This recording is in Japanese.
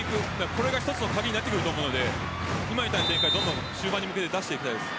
これが一つの鍵になってくると思うので今みたいな展開終盤に向けて出していきたいです。